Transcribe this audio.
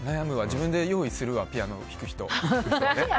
自分で用意するわ、ピアノ弾く人。